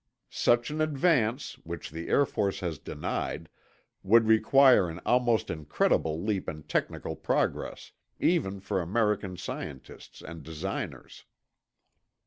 Such an advance (which the Air Force has denied) would require an almost incredible leap in technical progress even for American scientists and designers."